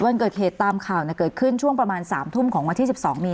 วันเกิดเหตุตามข่าวเกิดขึ้นช่วงประมาณ๓ทุ่มของวันที่๑๒มี